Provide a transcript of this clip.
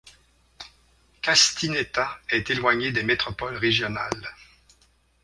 Castineta est éloigné des métropoles régionales.